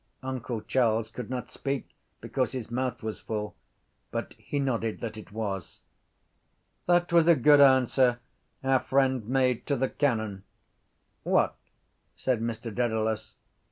Uncle Charles could not speak because his mouth was full but he nodded that it was. —That was a good answer our friend made to the canon. What? said Mr Dedalus.